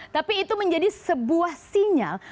tapi itu menjadi sebuah sinyal